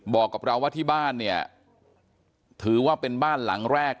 บอกกับเราว่าที่บ้านเนี่ยถือว่าเป็นบ้านหลังแรก